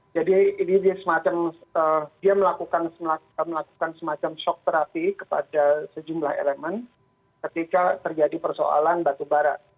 jadi ini dia melakukan semacam shock therapy kepada sejumlah elemen ketika terjadi persoalan batu bara